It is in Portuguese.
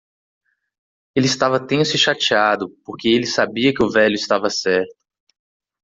Ele estava tenso e chateado? porque ele sabia que o velho estava certo.